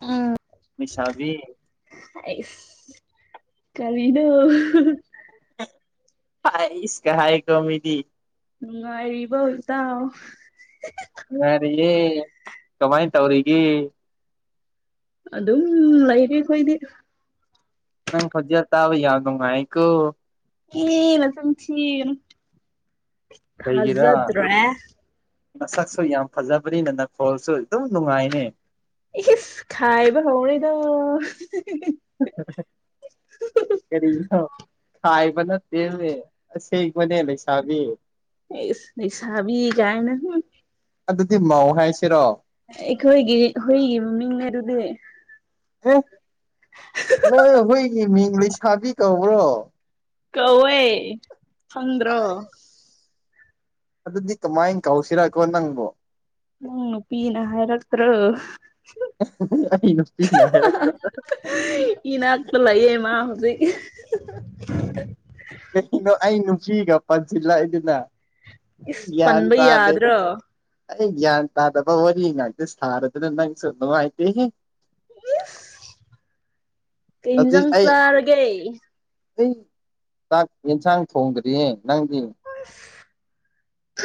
ꯎꯝ ꯃꯤꯁꯥꯕꯤ ꯍꯥꯏꯁ ꯀꯔꯤꯅꯣ ꯍꯥꯏꯁ ꯀꯥ ꯍꯥꯏꯀꯣ ꯃꯤꯗꯤ ꯅꯨꯡꯉꯥꯏꯔꯤꯕꯔꯣ ꯏꯇꯥꯎ [unintelligible] ꯅꯨꯉꯥꯏꯔꯤꯌꯦ ꯀꯃꯥꯏꯟ ꯇꯧꯔꯤꯒꯦ ꯑꯗꯨꯝ ꯂꯩꯔꯤ ꯈꯣꯏꯗꯤ ꯅꯪ ꯈꯣꯟꯖꯦꯜ ꯇꯥꯕ ꯌꯥꯝ ꯅꯨꯉꯥꯏꯀꯣ ꯑꯦ ꯅꯆꯤꯟ ꯊꯤꯒꯅꯨ ꯀꯩꯒꯤꯔꯥ ꯊꯥꯖꯗ꯭ꯔꯦ ꯅꯁꯛꯁꯨ ꯌꯥꯝ ꯐꯖꯕꯅꯤꯅ ꯅꯈꯣꯜꯁꯨ ꯑꯗꯨꯝ ꯅꯨꯉꯥꯏꯅꯦ ꯏꯁ ꯈꯥꯏꯕ ꯍꯧꯔꯦꯗꯣ [inaudible] ꯀꯔꯤꯅꯣ ꯈꯥꯏꯕ ꯅꯠꯇꯦꯅꯦ ꯑꯁꯦꯡꯕꯅꯤ ꯂꯩꯥꯁꯥꯕꯤ ꯏꯁ ꯂꯩꯁꯥꯕꯤ ꯀꯥꯏꯅ ꯍꯝ ꯑꯗꯨꯗꯤ ꯃꯧ ꯍꯥꯏꯁꯤꯔꯣ ꯑꯩꯈꯣꯏꯒꯤ ꯍꯨꯏꯒꯤ ꯃꯃꯤꯡꯅꯤ ꯑꯗꯨꯗꯤ ꯑꯦ ꯅꯣꯏ ꯍꯨꯏꯒꯤ ꯃꯤꯡ ꯂꯩꯁꯥꯕꯤ ꯀꯧꯕ꯭ꯔꯣ ꯀꯧꯋꯦ ꯈꯪꯗ꯭ꯔꯣ ꯑꯩ ꯑꯗꯨꯗꯤ ꯀꯃꯥꯏꯅ ꯀꯧꯁꯤꯔ ꯀꯣ ꯅꯪꯕꯣ ꯅꯪ ꯅꯨꯄꯤꯅ ꯍꯥꯏꯔꯛꯇ꯭ꯔꯣ ꯑꯩ ꯅꯨꯄꯤꯅ ꯍꯥꯏꯔꯛꯇꯔꯣ ꯏꯅꯥꯛꯇꯁ ꯂꯥꯏꯌꯦ ꯃꯥ ꯍꯧꯖꯤꯛ [unintelligible] ꯀꯩꯅꯣ ꯑꯩ ꯅꯨꯄꯤꯒ ꯄꯟꯁꯤꯜꯂꯏꯗꯨꯅ ꯑꯩ ꯏꯁ ꯒ꯭ꯌꯥꯟ ꯄꯟꯕ ꯇꯥꯗꯦꯗ ꯌꯥꯗ꯭ꯔꯣ ꯑꯩ ꯒ꯭ꯌꯥꯟ ꯇꯥꯗꯕ ꯋꯥꯔꯤ ꯉꯥꯛꯇ ꯁꯥꯔꯗꯅ ꯅꯪꯁꯨ ꯅꯨꯡꯉꯥꯏꯇꯦꯍꯦ ꯀꯤ ꯍꯧꯖꯤꯛ ꯏꯟꯖꯪ ꯑꯩ ꯆꯔꯒꯦ ꯑꯩ ꯆꯥꯛ ꯌꯦꯟꯁꯥꯡ ꯊꯣꯡꯗ꯭ꯔꯤꯌꯦ ꯅꯪꯗꯤ ꯑꯁ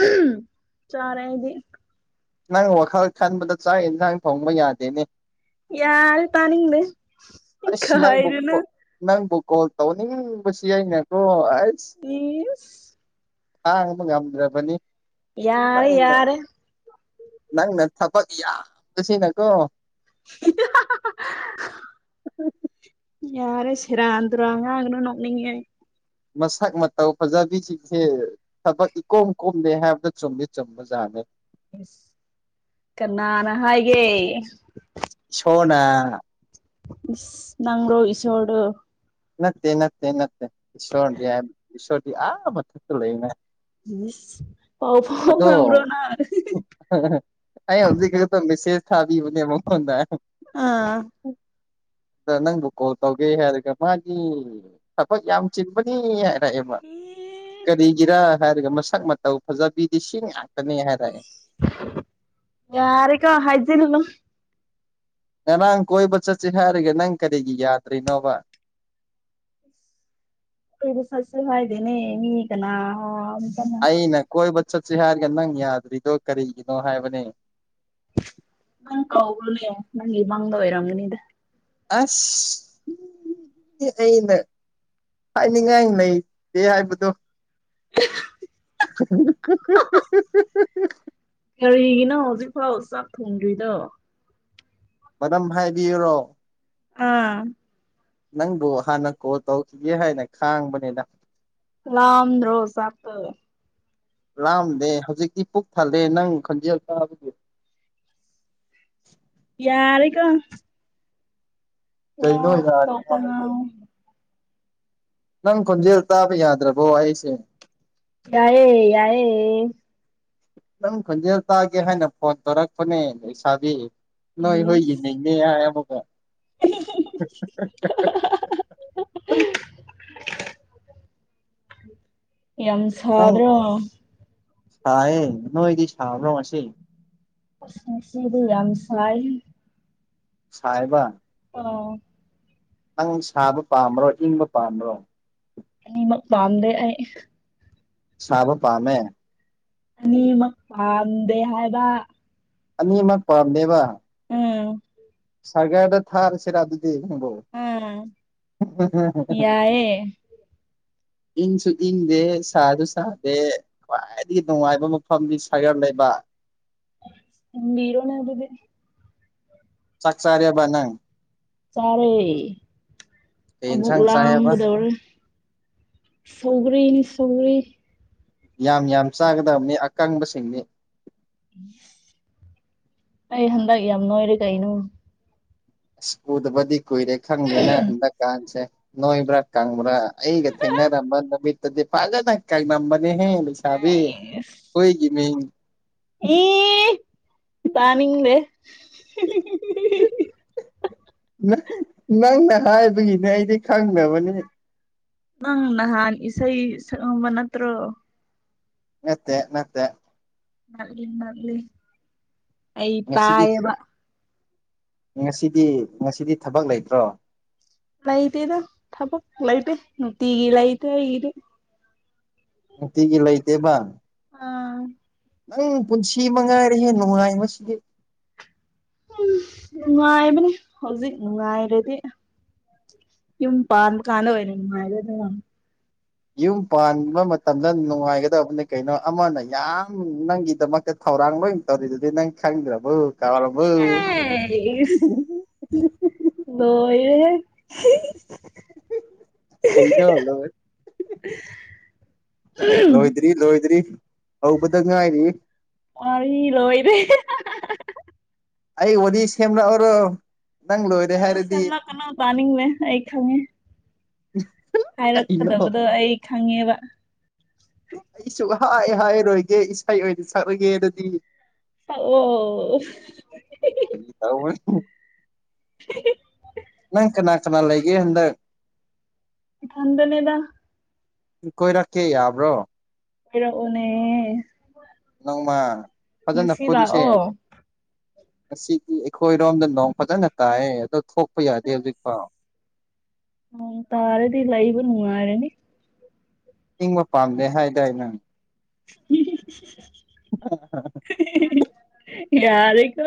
ꯎꯝ ꯆꯥꯔꯦ ꯑꯩꯗꯤ ꯅꯪ ꯋꯥꯈꯜ ꯈꯟꯕꯗꯣ ꯆꯥꯛ ꯌꯦꯟꯁꯥꯡ ꯊꯣꯡꯕ ꯌꯥꯗꯦꯅꯦ ꯌꯥꯔꯦ ꯇꯥꯅꯤꯡꯗꯦ ꯑꯁ ꯅꯪꯕꯨ ꯈꯥꯏꯔꯅꯨ ꯅꯪꯕꯨ ꯀꯣꯜ ꯇꯧꯅꯤꯡꯕꯁꯤ ꯑꯩꯅꯀꯣ ꯑꯁ ꯇꯤꯁ ꯂꯥꯡꯕ ꯉꯝꯗ꯭ꯔꯕꯅꯤ ꯌꯥꯔꯦ ꯅꯪꯅ ꯌꯥꯔꯦ ꯅꯪꯅ ꯊꯕꯛ ꯌꯥꯝꯁꯤꯅꯀꯣ ꯍꯤ ꯍꯥ ꯍꯥ ꯌꯥꯔꯦ ꯁꯦꯔꯥꯗꯔꯉꯥꯡꯅꯣ ꯅꯣꯛꯅꯤꯡꯉꯦ ꯃꯁꯛ ꯃꯇꯧ ꯐꯖꯕꯤꯁꯤꯡꯁꯦ ꯊꯕꯛ ꯏꯀꯣꯝ ꯀꯣꯝꯅꯦ ꯍꯥꯏꯕꯗ ꯆꯨꯝꯗꯤ ꯆꯨꯝꯕ ꯖꯥꯠꯅꯤ ꯀꯅꯥꯅ ꯍꯥꯏꯒꯦ ꯁꯣꯅ ꯅꯪ ꯏ ꯁꯣꯠ ꯅꯠꯇꯦ ꯅꯠꯇꯦ ꯅꯠꯇꯦ ꯏꯁꯣꯔꯗꯤ ꯍꯥꯏꯣꯔꯗꯤ ꯑꯥ ꯃꯊꯛꯇ ꯂꯩꯅꯦ ꯄꯥꯎ ꯐꯥꯎ ꯅ꯭ꯔꯣꯅ ꯑꯩ ꯍꯧꯖꯤꯛ ꯈꯛꯇ ꯃꯦꯁꯦꯁ ꯊꯥꯕꯤꯕꯅꯦ ꯃꯉꯣꯟꯗ ꯑꯥ ꯑꯗ ꯅꯪꯕꯨ ꯀꯣꯜ ꯇꯧꯒꯦ ꯍꯥꯏꯔꯒ ꯃꯥꯒꯤ ꯑꯩꯈꯣꯏ ꯌꯥꯝ ꯆꯤꯟꯕꯅꯤ ꯍꯥꯏꯔꯛꯑꯦꯕ ꯀꯔꯤꯒꯤꯔꯥ ꯍꯥꯏꯔꯒ ꯃꯁꯛ ꯃꯇꯧ ꯐꯖꯕꯤꯗꯤ ꯁꯤꯡ ꯉꯥꯛꯇꯅꯤ ꯍꯥꯏꯔꯛꯑꯦ ꯌꯥꯔ ꯀꯣ ꯍꯥꯏꯖꯅꯂꯣ ꯉꯔꯥꯡ ꯀꯣꯏꯕ ꯆꯠꯁꯤ ꯍꯥꯏꯔꯒꯦ ꯅꯪ ꯀꯔꯤꯒꯤ ꯌꯥꯗ꯭ꯔꯤꯅꯣꯕ ꯑꯩꯕꯨ ꯆꯁꯦ ꯍꯥꯏꯥꯏꯗꯅꯦ ꯃꯤ ꯀꯅꯥ ꯑꯝꯇꯅ ꯑꯩꯅ ꯀꯣꯏꯕ ꯆꯠꯁꯤ ꯍꯥꯏꯔꯒ ꯅꯪ ꯌꯥꯗ꯭ꯔꯤꯗꯣ ꯀꯔꯤꯒꯤꯅꯣ ꯍꯥꯏꯕꯅꯦ ꯅꯪ ꯀꯧ꯭ꯔꯂꯦ ꯅꯪꯒꯤ ꯃꯥꯡꯗ ꯑꯣꯏꯔꯝꯒꯅꯤꯗ ꯑꯁ ꯑꯩꯅ ꯍꯥꯏꯅꯤꯡꯉꯥꯏ ꯂꯩꯇꯦ ꯍꯥꯏꯕꯗꯣ ꯍꯥ ꯍꯥ ꯀꯔꯤꯒꯤꯅꯣ ꯍꯧꯖꯤꯛꯐꯥꯎ ꯆꯥꯛ ꯊꯣꯡꯗ꯭ꯔꯤꯗꯣ ꯃꯝ ꯍꯥꯏꯕꯤꯌꯨꯔꯣ ꯑꯥ ꯅꯪꯕꯨ ꯍꯥꯟꯅ ꯀꯣꯜ ꯇꯧꯈꯤꯒꯦ ꯍꯥꯏꯅ ꯈꯥꯡꯕꯅꯤꯅ ꯀꯝ ꯔꯣꯁ ꯂꯥꯑꯝꯗꯦ ꯍꯧꯖꯤꯛꯇꯤ ꯄꯨꯛ ꯊꯜꯂꯦ ꯅꯪ ꯈꯟꯖꯦꯜ ꯇꯥꯕ ꯌꯥꯔꯀꯣ ꯀꯩꯩꯅꯣ ꯌꯥꯔꯦ ꯑꯇꯣꯞꯄ ꯌꯥꯔꯣ ꯉꯥꯡꯉꯣ ꯅꯪ ꯈꯣꯟꯖꯦꯜ ꯇꯥꯕ ꯌꯥꯗ꯭ꯔꯕꯣ ꯑꯩꯁꯦ ꯌꯥꯏ ꯌꯥꯏꯏꯌꯦ ꯅꯪ ꯈꯣꯟꯖꯦꯜ ꯇꯥꯒꯦ ꯍꯥꯏꯅ ꯐꯣꯟ ꯇꯧꯔꯛꯄꯅꯦ ꯏꯁꯥꯗꯤ ꯅꯣꯏ ꯏꯁ ꯍꯣꯏꯒꯤꯅꯦꯅꯦ ꯍꯥꯏ ꯑꯃꯨꯀ ꯌꯥꯝ [inaudible] ꯁꯥꯥꯗꯣꯡ ꯊꯑꯦ ꯅꯣꯏꯗꯤ ꯁꯥ ꯭ꯔꯝꯁꯤ ꯁꯤꯔꯤ ꯌꯥꯝꯁꯥꯏ ꯁꯥꯏꯕ ꯑꯣ ꯅꯪ ꯁꯥꯕ ꯄꯥꯝꯕ꯭ꯔꯣ ꯏꯪꯕ ꯄꯥꯝꯕ꯭ꯔꯣ ꯅꯤ ꯃꯛꯗꯦ ꯁꯥꯕ ꯄꯝꯃꯦ ꯑꯅꯤꯃꯛ ꯄꯥꯥꯟꯝꯗꯦ ꯍꯥꯏꯕ ꯑꯅꯤꯃꯛ ꯄꯥꯝꯗꯦꯕ ꯎꯝ ꯁꯥꯒꯔꯗ ꯊꯔ ꯁꯤꯔ ꯑꯗꯨꯗꯤ ꯅꯕꯣ ꯌꯥꯏꯌꯦ ꯏꯪꯁꯨ ꯏꯪꯗꯦ ꯁꯥꯁꯨ ꯁꯥꯗꯦ ꯈ꯭ꯋꯥꯏꯗꯒꯤ ꯅꯨꯡꯉꯥꯏꯕ ꯃꯐꯝꯗꯤ ꯁꯥꯒꯔ ꯂꯩꯕ ꯃꯤꯔꯣꯅꯦ ꯍꯥꯏꯕꯗꯤ ꯆꯥꯛꯆꯥꯔꯦꯕ ꯅꯪ ꯆꯥꯔꯦ ꯀꯩ ꯑꯃꯨꯛ ꯌꯦꯟꯁꯥꯡ ꯂ ꯆꯥꯏꯑꯕ ꯀꯗꯧꯔ ꯁꯧꯒꯔꯤꯅꯤ ꯁꯒꯔꯤ ꯌꯥꯝ ꯌꯥꯝ ꯆꯥꯒꯗꯕꯅꯤ ꯑꯀꯪꯕꯁꯤꯡꯅꯤ ꯑꯩ ꯍꯟꯗꯛ ꯌꯥꯝ ꯅꯣꯏꯔꯦ ꯀꯩꯅꯣ ꯑꯁ ꯎꯗꯕꯗꯤ ꯀꯨꯏꯔꯦ ꯈꯪꯗꯦꯅ ꯍꯟꯗꯛꯀꯥꯟꯁꯦ ꯅꯣꯏꯕ꯭ꯔꯥ ꯀꯪꯕ꯭ꯔꯥ ꯑꯩꯒ ꯊꯦꯡꯅꯔꯝꯕ ꯅꯨꯃꯤꯠꯇꯗꯤ ꯐꯖꯅ ꯀꯥꯏꯃꯝꯕꯅꯦꯍꯦ ꯂꯩꯁꯥꯕꯤ [unintelligible] ꯑꯣꯏꯣꯏꯒꯤ ꯃ ꯑꯦ ꯇꯅꯤꯡꯗꯦ ꯪ ꯅꯪꯅ ꯍꯥꯏꯕꯒꯤꯅꯦ ꯑꯩꯗꯤ ꯈꯪꯅꯕꯅꯦ ꯅꯪ ꯅꯍꯥꯟ ꯏꯁꯩ ꯁꯛꯕ ꯅꯠꯇ꯭ꯔꯣ ꯅꯦꯠꯇꯦ ꯅꯠꯇꯦ ꯑꯩ ꯉꯁꯤꯗꯤ ꯄꯌꯦꯕ ꯉꯁꯤꯗꯤ ꯉꯁꯤꯗꯤ ꯊꯕꯛ ꯂꯩꯇ꯭ꯔꯣ ꯂꯥꯏꯇꯗ ꯊꯝꯛ ꯂꯥꯏꯗ ꯇꯒ ꯂꯥꯏ ꯇꯒꯤꯗ ꯅꯨꯡꯇꯤꯒꯤ ꯂꯩꯇꯦꯕ ꯑꯥ ꯅꯪ ꯄꯨꯟꯁꯤ ꯃꯉꯥꯏꯔꯦ ꯍꯦ ꯅꯨꯡꯉꯥꯏ ꯃꯁꯤꯗꯤ ꯎꯝ ꯅꯨꯡꯉꯥꯏꯕꯅꯦ ꯍꯧꯖꯤꯛ ꯅꯨꯡꯉꯥꯏꯔꯗꯤ ꯌꯨꯝ ꯄꯥꯔ ꯀꯥꯟꯗꯅ ꯃꯥꯥꯏ ꯌꯨꯝ ꯄꯥꯟꯕ ꯃꯇꯝꯗ ꯅꯨꯡꯉꯥꯏꯒꯗꯕꯅꯤ ꯀꯩꯅꯣ ꯑꯃꯅ ꯌꯥꯝ ꯅꯪꯒꯤꯗꯃꯛ ꯊꯧꯔꯥꯡ ꯂꯣꯏ ꯇꯧꯔꯤꯗꯨꯗꯤ ꯅꯪ ꯈꯪꯗ꯭ꯔꯕꯨ ꯀꯧꯕꯨ ꯑꯦꯁ ꯂꯣꯏꯔꯦꯍꯦ ꯀꯩꯅꯣ ꯂꯣꯏꯔꯦ [unintelligible] ꯂꯣꯏꯗ꯭ꯔꯤ ꯂꯣꯏꯗ꯭ꯔꯤ ꯍꯧꯕꯗ ꯉꯥꯏꯔꯤ ꯋꯥꯔꯤ ꯂꯣꯏꯔꯦ ꯑꯩ ꯕꯣꯗꯤ ꯁꯦꯝꯂꯛꯑꯣꯔꯣ ꯅꯪ ꯂꯣꯏ ꯑꯁ ꯁꯦꯝꯂꯛꯀꯅꯣ ꯇꯅꯤꯡꯗꯦ ꯑꯩ ꯈꯪꯉꯦ ꯀꯩꯅꯣ ꯍꯥꯏꯔꯛꯀꯗꯕꯗꯣ ꯑꯩ ꯈꯪꯉꯦꯕ ꯑꯩ ꯁꯨꯛꯍꯥꯏ ꯍꯥꯏꯔꯣꯏꯒꯦ ꯏꯁꯩ ꯑꯣꯏꯅ ꯁꯛꯂꯒꯦ ꯑꯗꯨꯗꯤ ꯑꯣ ꯊ ꯅꯪ ꯀꯅꯥ ꯀꯅꯥ ꯂꯩꯒꯦ ꯍꯗꯪ ꯢꯊꯟꯗꯅꯦꯗ ꯀꯣꯏꯔꯛꯀꯦ ꯌꯥꯕ꯭ꯔꯣ ꯀꯣꯏꯔꯛꯎꯅꯦ ꯅꯣꯡꯃ ꯐꯖꯅ ꯄꯨꯟꯁꯦ ꯂꯥꯛꯑꯣ ꯉꯁꯤꯗꯤ ꯑꯩꯈꯣꯏꯔꯣꯝꯗ ꯅꯣꯡ ꯐꯖꯅ ꯇꯥꯏꯑ ꯑꯗꯣ ꯊꯣꯛꯄ ꯌꯥꯗꯦ ꯍꯧꯖꯤꯛꯐꯥꯎ ꯅꯣꯡ ꯇꯥꯔꯗꯤ ꯂꯩꯕ ꯅꯨꯉꯥꯏꯔꯅꯤ ꯏꯪꯕ ꯄꯥꯝꯗꯦ ꯍꯥꯏꯗꯥꯏ ꯅꯪ [unintelligible] [unintelligible] ꯌꯥꯔꯦꯀꯣ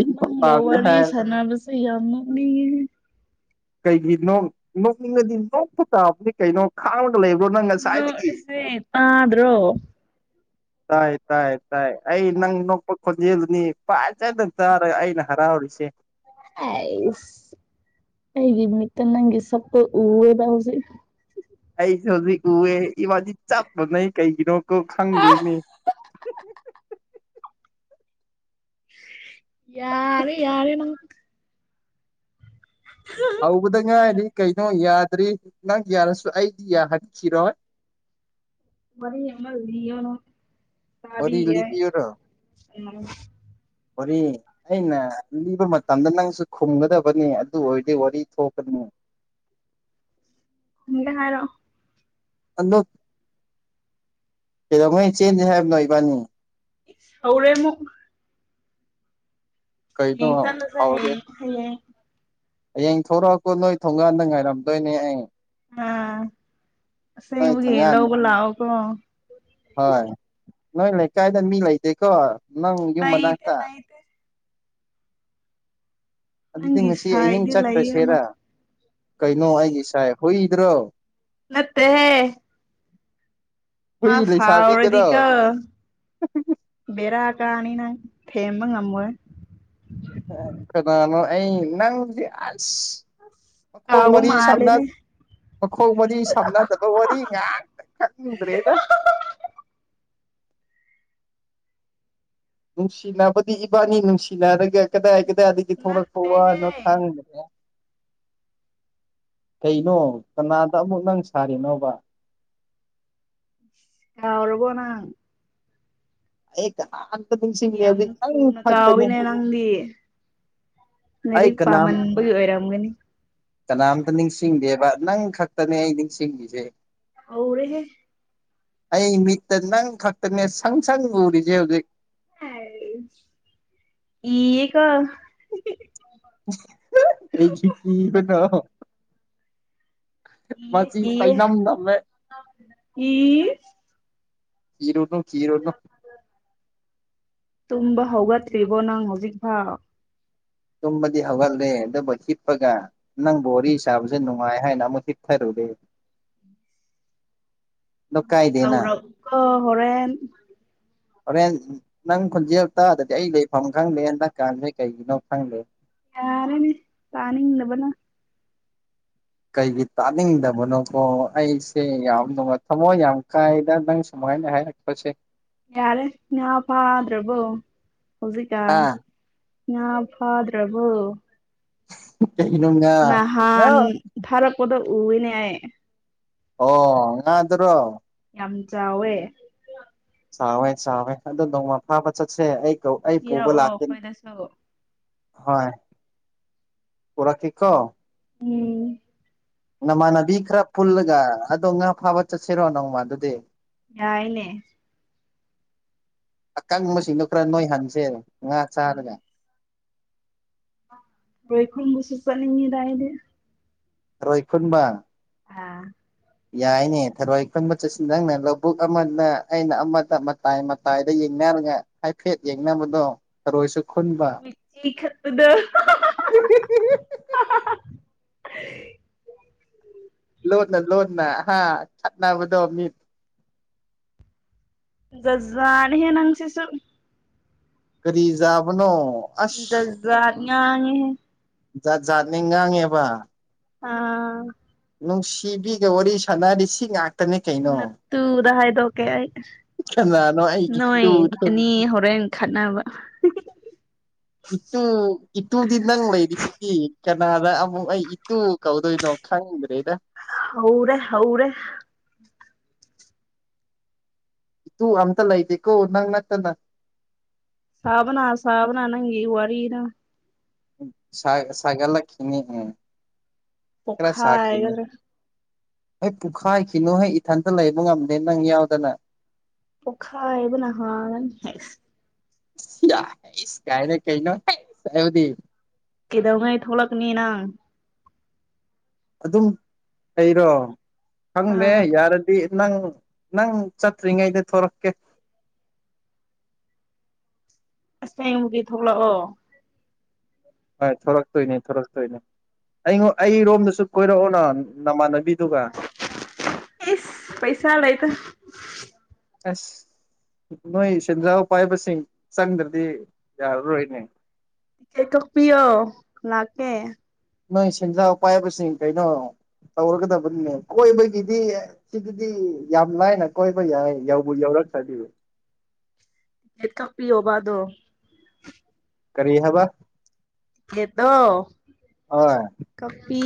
ꯏꯪꯕ ꯅꯪꯒꯥ ꯄꯥꯝꯗꯦ ꯋꯥꯔꯤ ꯍꯥꯏ ꯁꯥꯟꯅꯕꯁꯦ ꯌꯥꯝ ꯅꯣꯛꯅꯤꯡꯉꯤꯍꯦ ꯀꯩꯒꯤ ꯅꯣꯛ ꯅꯣꯛꯅꯤꯡꯉꯗꯤ ꯅꯣꯛꯄ ꯇꯥꯕꯅꯤ ꯀꯩꯅꯣ ꯈꯉꯥꯒꯥ ꯂꯩꯕ꯭ꯔꯣ ꯅꯪ ꯉꯁꯥꯏꯗꯒꯤ ꯅꯣꯛꯔꯤꯁꯦ ꯇꯥꯗ꯭ꯔꯣ ꯇꯥꯏ ꯇꯥꯏ ꯇꯥꯏ ꯑꯩ ꯅꯪ ꯅꯣꯛꯄ ꯈꯣꯟꯖꯦꯜꯗꯨꯅꯤ ꯐꯠꯖꯅꯥ ꯇꯥꯔꯒ ꯑꯩꯅ ꯍꯔꯥꯎꯔꯤꯁꯦ ꯑꯩꯁ ꯑꯩꯒꯤ ꯃꯤꯠꯇ ꯅꯪꯒꯤ ꯁꯛꯇꯣ ꯎꯔꯦꯕ ꯍꯧꯖꯤꯛ ꯑꯩꯁꯨ ꯍꯧꯖꯤꯛ ꯎꯑꯦ ꯏꯕꯥꯗꯤ ꯆꯥꯛꯄ ꯅꯩ ꯀꯩꯒꯤꯅꯣꯣ ꯈꯪꯗꯦꯅꯤ ꯌꯥꯔꯦ ꯌꯥꯔꯦ ꯅꯪ ꯍꯧꯕꯗ ꯉꯥꯏꯔꯤ ꯀꯩꯅꯣ ꯌꯥꯗ꯭ꯔꯤ ꯅꯪ ꯌꯥꯔꯁꯨ ꯑꯩꯗꯤ ꯌꯥꯍꯕꯤꯈꯤꯔꯣꯏ ꯃꯔꯤꯃ ꯌꯅꯣ ꯋꯥꯔꯤ ꯇꯕꯤꯒ ꯂꯤꯕꯤꯌꯨꯔꯣ ꯑ ꯋꯥꯔꯤ ꯑꯩꯅ ꯂꯤꯕ ꯃꯇꯝꯗ ꯅꯪꯁꯨ ꯈꯨꯝꯒꯗꯕꯅꯤ ꯑꯗꯨ ꯑꯣꯏꯔꯗꯤ ꯋꯥꯔꯤ ꯊꯣꯛꯀꯅꯤ ꯏ ꯍꯥꯏꯔꯣ ꯑ ꯀꯩꯗꯧꯉꯩ ꯆꯦꯟꯗꯦ ꯍꯥꯏꯕꯅꯣ ꯏꯕꯥꯅꯤ ꯍꯧꯧꯔꯦꯃꯨ ꯌꯦ ꯀꯩꯅꯣ ꯆꯥꯟꯂꯁ ꯍꯥꯎꯔꯦ ꯍꯥꯏ ꯍ ꯍꯌꯦꯡ ꯊꯂꯛꯑꯀꯣ ꯅꯣꯏ ꯊꯣꯡꯒꯥꯟꯗ ꯉꯥꯏꯔꯝꯗꯣꯏꯅꯦ ꯍꯌꯦ ꯑꯥ ꯅꯣꯏ ꯑꯁꯦꯡꯕꯒꯤ ꯊꯣꯡꯒꯥꯟ ꯂꯧꯕ ꯂꯥꯛꯑꯣꯀꯣ ꯍꯣꯏ ꯅꯣꯏ ꯂꯩꯀꯥꯏꯗ ꯃꯤ ꯂꯩꯇꯦꯀꯣ ꯅꯪ ꯌꯨꯝ ꯂꯩꯇꯦ ꯃꯅꯥꯛꯇ ꯂꯩꯇꯦ ꯑꯗꯨꯗꯤ ꯅꯪꯒꯤ ꯉꯁꯤ ꯑꯍꯤꯡ ꯁꯥꯏꯗꯤ ꯂꯩꯌꯦ ꯑꯃ ꯆꯠꯈ꯭ꯔꯁꯦꯔ ꯀꯩꯅꯣ ꯑꯩꯒꯤ ꯏꯁꯥꯏ ꯍꯨꯏꯗ꯭ꯔꯣ ꯅꯠꯇꯦ ꯍꯨꯏ ꯃꯥ ꯁꯥꯥꯎꯔꯦꯗꯤ ꯂꯩꯁꯥꯕꯤꯗꯨꯔꯣ ꯀ ꯕꯔꯑꯒ ꯑꯅꯤꯅꯪ ꯐꯦꯡꯕ ꯉꯝꯃꯣ ꯀꯅꯥꯅꯣ ꯑ ꯅꯪ ꯑ ꯃꯈꯣꯡ ꯀꯥꯎꯕ ꯃꯔꯤꯁꯥꯝꯅ ꯃꯥꯜꯂꯦꯅꯦ ꯃꯈꯣꯡ ꯃꯔꯤꯁꯥꯝꯅꯗ ꯀꯔꯤꯗ ꯅꯨꯡꯁꯤꯅꯕꯗꯤ ꯏꯕꯥꯅꯤ ꯅꯨꯡꯁꯤꯅꯔꯒ ꯀꯗꯥꯏ ꯀꯗꯥꯏꯗꯒꯤ ꯊꯧꯔꯛ ꯊꯧꯕ ꯅ ꯅꯠꯇꯦꯍꯦ ꯊꯥꯡꯗꯔ ꯀꯩꯅꯣ ꯀꯅꯥꯗ ꯑꯃꯨꯛ ꯅꯪ ꯁꯥꯔꯤꯅꯣꯕ ꯑ ꯑꯣꯏꯔꯕꯣꯅ ꯑꯩ ꯀꯅꯥꯇ ꯅꯨꯡꯁꯤꯡꯃꯤ ꯑꯗꯨ ꯅꯪ ꯊꯥꯛꯅꯦ ꯪꯗꯤ ꯑꯩ ꯂꯥꯏꯔꯤꯛ ꯀꯅꯥꯝ ꯄꯥꯝꯃꯟꯕꯒꯤ ꯑꯣꯏꯔꯝꯒꯅꯤ ꯀꯅꯥꯝꯇ ꯅꯤꯡꯁꯤꯡꯗꯦꯕ ꯅꯪ ꯈꯛꯇꯅꯦ ꯑꯩ ꯅꯤꯡꯁꯤꯡꯂꯤꯁꯦ ꯍꯧꯔꯦꯍꯦ ꯑꯩ ꯃꯤꯠꯇ ꯅꯪ ꯈꯛꯇꯅꯦ ꯁꯪ ꯁꯪ ꯎꯔꯤꯖꯦ ꯍꯧꯖꯤꯛ ꯀꯤꯌꯦꯀꯣ ꯑꯩꯖꯦ ꯀꯤꯕꯔꯣ ꯀꯤꯌꯦ ꯃꯁꯤ ꯀꯤꯌꯦ ꯆꯩꯅꯝ ꯅꯝꯃꯦ ꯏꯁ ꯀꯤꯔꯨꯅꯨ ꯀꯤꯔꯨꯅꯨ ꯇꯨꯝꯕꯥ ꯍꯧꯒꯠꯇꯔꯤꯕꯣ ꯅꯪ ꯍꯧꯖꯤꯛꯐꯥꯎ ꯇꯨꯝꯕꯗꯤ ꯍꯧꯒꯠꯂꯦ ꯑꯗꯨꯕꯨ ꯍꯤꯞꯄꯒ ꯅꯪ ꯕꯣꯔꯤ ꯁꯥꯕꯁꯦ ꯅꯨꯡꯉꯥꯏ ꯍꯥꯏꯅ ꯑꯃꯨꯛ ꯍꯥꯞꯊꯔꯨꯔꯦ [inaudible] ꯇꯧꯔꯛꯑꯣ ꯍꯣꯔꯦꯟ ꯍꯣꯔꯦꯟ ꯅꯪ ꯈꯣꯟꯖꯦꯜ ꯇꯥꯗꯗꯤ ꯑꯩ ꯂꯩꯐꯝ ꯈꯪꯗꯦ ꯍꯟꯗꯛ ꯀꯥꯟꯁꯦ ꯀꯩꯒꯤꯅꯣ ꯈꯪꯗꯦ ꯌꯥꯔꯦꯅꯦ ꯇꯥꯅꯤꯡꯗꯕꯅ ꯀꯩꯒꯤ ꯇꯥꯅꯤꯡꯗꯕꯅꯣꯀꯣ ꯑꯩꯁꯦ ꯌꯥꯝ ꯅꯨꯡꯉꯥꯏ ꯊꯝꯃꯣꯏ ꯌꯥꯝ ꯀꯥꯏꯗ ꯅꯪ ꯁꯨꯃꯥꯏꯅ ꯍꯥꯏꯔꯛ ꯄꯁꯦ ꯌꯥꯔꯦ ꯉꯥ ꯐꯥꯗ꯭ꯔꯕꯣ ꯍꯧꯖꯤꯛꯀꯥꯟ ꯑꯥ ꯉꯥ ꯐꯥꯗ꯭ꯔꯕꯣ ꯀꯩꯒꯤꯅꯣ ꯉꯥ ꯉꯥ ꯅꯍꯥꯟ ꯊꯥꯔꯛꯄꯗꯣ ꯎꯋꯦꯅꯦ ꯑꯩ ꯑꯣ ꯉꯥꯟꯗꯔꯣ ꯌꯥꯝ ꯆꯥꯎꯋꯦ ꯆꯥꯎꯋꯦ ꯆꯥꯎꯋꯦ ꯑꯗꯣ ꯅꯣꯡꯃ ꯐꯥꯕ ꯆꯠꯁꯦ ꯑꯩ ꯀꯧ ꯑꯩ ꯄꯨꯕ ꯄꯤꯔꯛꯑꯣ ꯂꯥꯛꯀꯅꯤ ꯑꯩꯈꯣꯏꯗꯁꯨ ꯍꯣꯏ ꯄꯨꯔꯛꯀꯦꯀꯣ ꯎꯝ ꯅꯃꯥꯟꯅꯕꯤ ꯈ꯭ꯔ ꯄꯨꯜꯂꯒ ꯑꯗꯣ ꯉꯥ ꯐꯥꯕ ꯆꯠꯁꯤꯔꯣ ꯅꯣꯡꯃ ꯑꯗꯨꯗꯤ ꯌꯥꯏꯅꯦ ꯑꯀꯪꯕꯁꯤꯡꯗꯣ ꯈꯔ ꯅꯣꯏꯍꯟꯁꯦ ꯉꯥ ꯆꯥꯔꯒ ꯊ꯭ꯔꯣꯏ ꯈꯨꯟꯕꯁꯨ ꯆꯠꯅꯤꯡꯉꯤꯗ ꯑꯩꯗꯤ ꯊꯔꯣꯏꯈꯨꯟꯕ ꯑꯥ ꯌꯥꯏꯅꯦ ꯊꯥꯔꯣꯏ ꯈꯨꯟꯕ ꯆꯠꯁꯤ ꯅꯪꯅ ꯂꯧꯕꯨꯛ ꯑꯃꯗ ꯑꯩꯅ ꯑꯃꯗ ꯃꯇꯥꯏ ꯃꯇꯥꯏꯗ ꯌꯦꯡꯅꯔꯒ ꯍꯥꯏꯐꯦꯠ ꯌꯦꯡꯅꯕꯗꯣ ꯊꯔꯣꯏꯁꯨ ꯈꯨꯟꯕ ꯃꯤꯆꯤ ꯈꯠꯄꯗꯣ [unintelligible] ꯂꯣꯠꯅ ꯂꯣꯠꯅ ꯍꯥ ꯈꯠꯅꯥꯕꯗꯣ ꯃꯤ ꯖꯖꯥꯅꯤꯍꯦ ꯅꯪꯁꯤꯁꯨ ꯀꯔꯤꯖꯥꯕꯅꯣ ꯖꯥꯖꯥꯠ ꯉꯥꯡꯉꯤꯍꯦ ꯖꯥꯠ ꯖꯥꯠꯅꯤ ꯉꯥꯡꯉꯦꯕ ꯑꯥ ꯅꯨꯡꯁꯤꯕꯤꯒ ꯋꯥꯔꯤ ꯁꯥꯟꯅꯔꯗꯤ ꯁꯤ ꯉꯥꯛꯇꯅꯤ ꯀꯩꯅꯣ ꯇꯨꯗ ꯍꯥꯏꯗꯣꯛꯀꯦ ꯑꯩ ꯀꯅꯥꯅꯣ ꯑꯩ ꯅꯣꯏ ꯏꯇꯨꯗꯣ ꯑꯅꯤ ꯍꯣꯔꯦꯟ ꯈꯠꯅꯕ ꯏꯇꯨ ꯏꯇꯨꯗꯤ ꯅꯪ ꯂꯩꯔꯤꯁꯤꯗꯤ ꯀꯅꯥꯗ ꯑꯃꯨꯛ ꯑꯩ ꯇꯨ ꯀꯧꯗꯣꯏꯅꯣ ꯈꯪꯗ꯭ꯔꯦꯗ ꯍꯧꯔꯦ ꯍꯧꯔꯦ ꯇꯨ ꯑꯝꯇ ꯂꯩꯇꯦꯀꯣ ꯅꯪ ꯅꯠꯇꯅ ꯁꯥꯕꯅ ꯁꯥꯕꯅ ꯅꯪꯒꯤ ꯋꯥꯔꯤꯅ ꯁꯥ ꯁꯥꯒꯠꯂꯛꯈꯤꯅꯤ ꯎꯝ ꯈꯔ ꯁꯥꯈꯤꯅꯤ ꯄꯣꯛꯈꯥꯏꯒꯗ꯭ꯔꯥ ꯑꯦ ꯄꯨꯈꯥꯏꯈꯤꯅꯨ ꯍꯦ ꯏꯊꯟꯇ ꯂꯩꯕ ꯉꯝꯗꯦ ꯅꯪ ꯌꯥꯎꯗꯅ ꯄꯣꯈꯥꯏꯕꯅ ꯍꯥꯟꯂꯅꯤ ꯏꯁ ꯁ ꯏꯁꯀꯥꯏ ꯀꯥꯏꯅ ꯍꯥꯏꯕꯗꯤ ꯀꯗꯧꯉꯩ ꯊꯣꯛꯂꯛꯀꯅꯤ ꯅꯪ ꯑꯗꯨꯝ ꯑꯩꯔꯣ ꯈꯪꯗꯦ ꯑꯥ ꯌꯥꯔ ꯅꯪ ꯅꯪ ꯆꯠꯇ꯭ꯔꯤꯉꯩꯗ ꯊꯣꯔꯛꯀꯦ ꯑꯁꯦꯡꯕꯒꯤ ꯊꯣꯛꯂꯛꯑꯣ ꯍꯣꯏ ꯊꯣꯔꯛꯛꯇꯣꯏꯅꯦ ꯊꯣꯔꯛꯛꯇꯣꯏ ꯅꯦ ꯑꯩ ꯑꯩꯔꯣꯝꯗꯁꯨ ꯀꯣꯏꯔꯛꯑꯣꯅ ꯅꯃꯥꯟꯅꯕꯤꯗꯨꯒ ꯏꯁ ꯄꯩꯁꯥ ꯂꯩꯥꯇꯦ ꯑꯁ ꯅꯣꯏ ꯁꯦꯟꯖꯥꯎ ꯄꯥꯏꯕꯁꯤꯡ ꯆꯪꯗ꯭ꯔꯗꯤ ꯌꯥꯔꯔꯣꯏꯅꯦ ꯇꯤꯛꯀꯦꯠ ꯀꯛꯄꯤꯌꯣ ꯂꯥꯛꯀꯦ ꯅꯣꯏ ꯁꯦꯟꯖꯥꯎ ꯄꯥꯏꯕꯁꯤꯡ ꯀꯩꯅꯣ ꯇꯧꯔꯒꯗꯕꯅꯤꯅꯦ ꯀꯣꯏꯕꯒꯤꯗꯤ ꯁꯤꯗꯗꯤ ꯌꯥꯝ ꯂꯥꯏꯅ ꯀꯣꯏꯕ ꯌꯥꯏ ꯌꯧꯕꯨ ꯌꯧꯔꯛꯈꯔꯗꯤ ꯇꯤꯛꯀꯦꯠ ꯀꯛ ꯄꯤꯌꯣꯕ ꯑꯗꯣ ꯀꯔꯤ ꯍꯥꯏꯕ ꯇꯤꯀꯦꯠꯇꯣ ꯍꯣꯏ ꯀꯛꯄꯤ